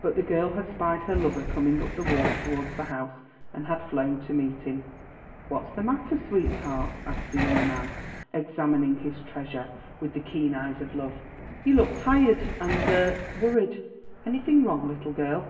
But the girl had spied her lover coming up the walk toward the house and had flown to meet him. "What's the matter, sweetheart?" asked the young man, examining his treasure with the keen eyes of love. "You look tired and er worried. Anything wrong, little girl?"